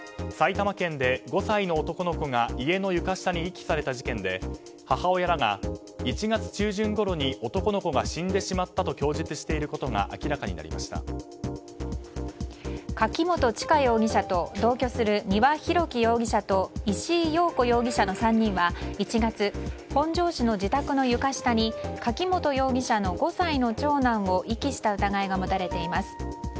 埼玉県で５歳の男の子が家の床下に遺棄された事件で母親らが１月中旬ごろに男の子が死んでしまったと供述していることが柿本知香容疑者と同居する丹羽洋樹容疑者と石井陽子容疑者の３人は１月本庄市の自宅の床下に柿本容疑者の５歳の長男を遺棄した疑いが持たれています。